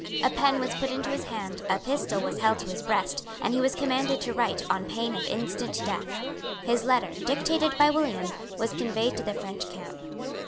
A pen was put into his hand; a pistol was held to his breast; and he was commanded to write on pain of instant death. His letter, dictated by William, was conveyed to the French camp.